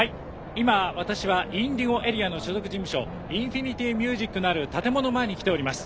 今私はＩｎｄｉｇｏＡＲＥＡの所属事務所インフィニティミュージックのある建物前に来ております。